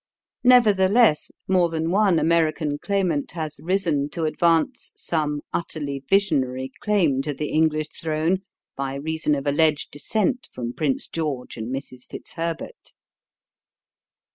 Nevertheless, more than one American claimant has risen to advance some utterly visionary claim to the English throne by reason of alleged descent from Prince George and Mrs. Fitzherbert.